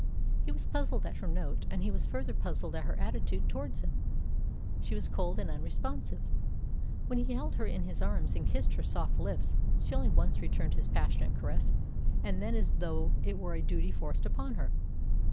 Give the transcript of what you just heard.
He was puzzled at her note, and he was further puzzled at her attitude towards him. She was cold and unresponsive. When he held her in his arms and kissed her soft lips, she only once returned his passionate caress, and then as though it were a duty forced upon her.